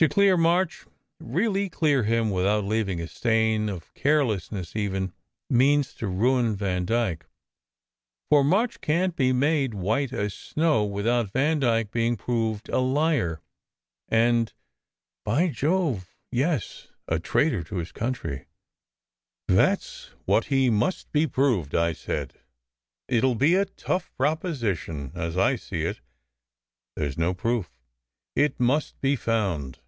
To clear March really clear him, without leaving a stain of carelessness even means to ruin Vandyke. For March can t be made white as snow without Vandyke being proved a liar, and by Jove, yes, a traitor to his country !" "That s what he must be proved," I said. "It ll be a tough proposition. As I see it, there s no proof." "It must be found."